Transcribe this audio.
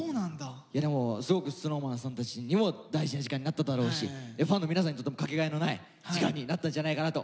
でもすごくＳｎｏｗＭａｎさんたちにも大事な時間になっただろうしファンの皆さんにとってもかけがえのない時間になったんじゃないかなと。